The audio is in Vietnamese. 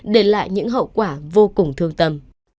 để lại những hậu quả vô cùng thương tâm